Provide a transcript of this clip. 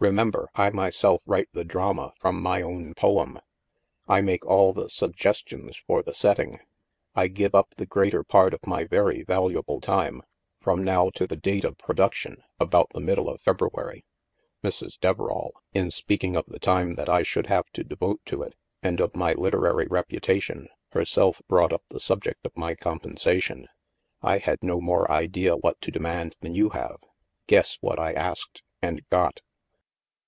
Remember, I myself write the drama from my own poem. I make all the suggestions for the setting. I give up the greater part of my very valuable time, from now to the date of production — about the middle of February. Mrs. Deverall, in speaking of the time that I should have to devote to it, and of my literary reputation — herself brought up the sub ject of my compensation. I had no more idea what to demand than you have. Guess what I asked — and got."